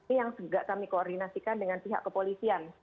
ini yang juga kami koordinasikan dengan pihak kepolisian